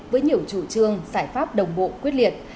với nhiều chủ trương giải pháp đồng bộ quyết liệt